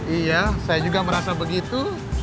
iya saya juga merasa begitu